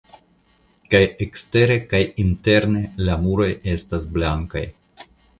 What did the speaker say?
Kaj ekstere kaj interne la muroj estas blankaj.